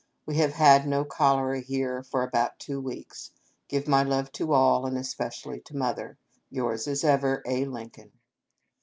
We have had no cholera here for about two weeks. " Give my love to all, and especially to Mother. " Yours as ever, "A. Lincoln."